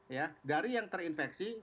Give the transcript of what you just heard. ya dari yang terinfeksi